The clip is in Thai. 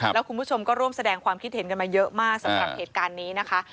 แล้วคุณผู้ชมก็ร่วมแสดงความคิดเห็นกันมาเยอะมากสำหรับเหตุการณ์นี้นะคะ